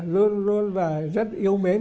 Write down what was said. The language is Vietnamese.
luôn luôn và rất yêu mến